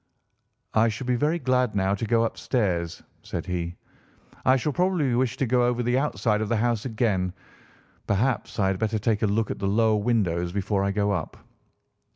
"I should be very glad now to go upstairs," said he. "I shall probably wish to go over the outside of the house again. Perhaps I had better take a look at the lower windows before I go up."